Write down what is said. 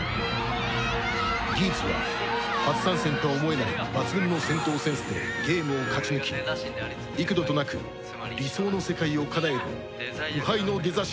ギーツは初参戦とは思えない抜群の戦闘センスでゲームを勝ち抜き幾度となく理想の世界をかなえる不敗のデザ神となった